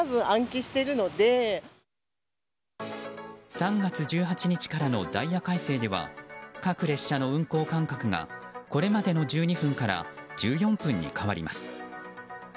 ３月１８日からのダイヤ改正では各列車の運行間隔がこれまでの１２分から１４分に変わります。